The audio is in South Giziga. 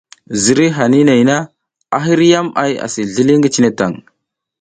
Ziriy hanay na, a hiriyam ay asi zlili ngi cine tan.